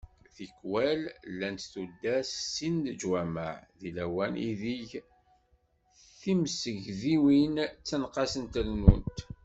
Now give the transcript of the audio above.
Tikwal llant tuddar s sin n leǧwamaɛ, di lawan ideg timesgidiwin ttenqasent rennunt.